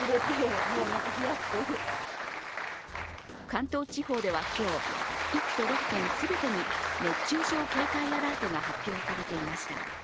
関東地方では今日、１都６県全てに熱中症警戒アラートが発表されていました。